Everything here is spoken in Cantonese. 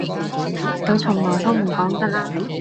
佢從來都唔講㗎啦